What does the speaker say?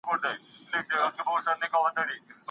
استادانو د کورني ژوند لارښوونې نه دي بیان کړې.